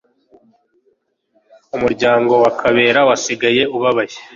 Umuryango wa Kabera wasigaye ubabaye